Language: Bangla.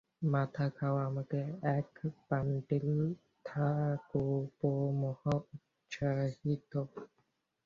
মাথা খাও, আমাকে এক বাণ্ডিল– ঠাকুরপো মহা উৎসাহিত।